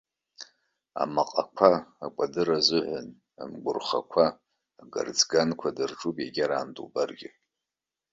Амаҟақәа, акәадыр азыҳәан амгәырхақәа, агарӡганқәа дырҿуп егьараан дубаргьы.